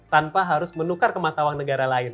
tanpa harus menukar ke mata uang negara lain